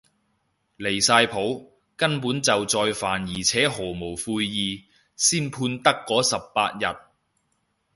離晒譜，根本就再犯而且毫無悔意，先判得嗰十八日